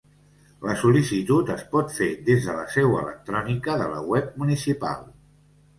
La sol·licitud es pot fer des de la seu electrònica de la web municipal.